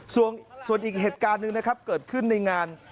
ส่วนอีกเหตุการณ์หนึ่งนะครับเกิดขึ้นในงาน